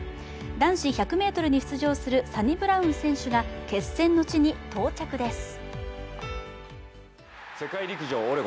男子１００ｍに出場するサニブラウン選手が決戦の地に到着です。